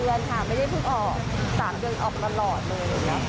คือมันออกมา๓เดือนค่ะไม่ได้พึ่งออก๓เดือนออกตลอดเลย